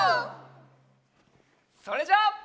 それじゃあ。